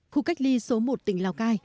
khu cách ly số một tỉnh lào cai